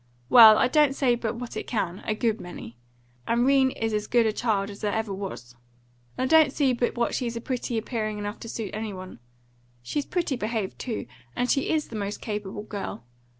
Well, I don't say but what it can, a good many. And 'Rene is as good a child as ever there was; and I don't see but what she's pretty appearing enough to suit any one. She's pretty behaved, too; and she IS the most capable girl.